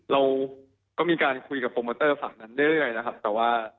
เราก็มีการคุยกับโปรโมเตอร์ฝั่งของเค้า